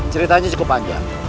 ceritanya cukup panjang